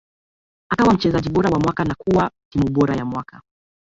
akawa mchezaji bora wa mwaka na kuwa timu bora ya mwaka